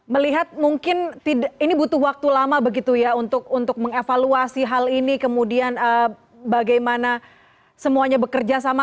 melihat mungkin ini butuh waktu lama begitu ya untuk mengevaluasi hal ini kemudian bagaimana semuanya bekerja sama